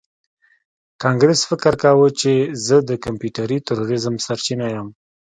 کانګرس فکر کاوه چې زه د کمپیوټري تروریزم سرچینه یم